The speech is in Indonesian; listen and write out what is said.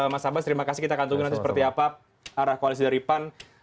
mas abbas terima kasih kita akan tunggu nanti seperti apa arah koalisi dari pan